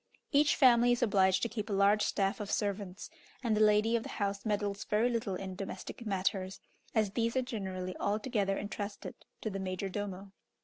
Each family is obliged to keep a large staff of servants, and the lady of the house meddles very little in domestic matters, as these are generally altogether entrusted to the major domo.